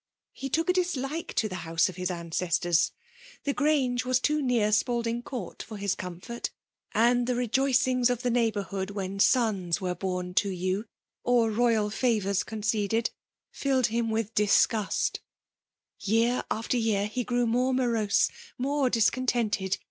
He took a dislike to the house of his ancestors. The Grange was too near Spald ing Court for his comfort ; and the rejoicings of the neighbourhood, when sons were bom to you, or royal favours conceded, filled ham with disgust Year after year, he grew more morose^ more discontented.